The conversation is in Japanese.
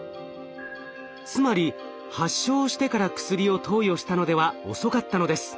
つまり発症してから薬を投与したのでは遅かったのです。